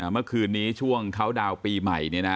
เมื่อคืนนี้ช่วงเขาดาวน์ปีใหม่